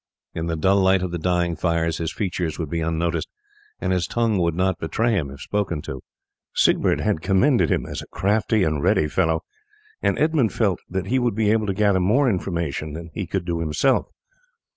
In the dull light of the dying fires his features would be unnoticed, and his tongue would not betray him if spoken to. Siegbert had commended him as a crafty and ready fellow, and Edmund felt that he would be able to gather more information than he could do himself.